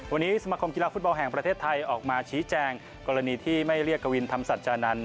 วันนี้สมคมกีฬาฟุตบอลแห่งประเทศไทยออกมาชี้แจงกรณีที่ไม่เรียกกวินธรรมสัจจานันท